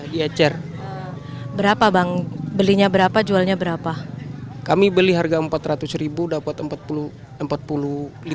biasanya dijual per liter gitu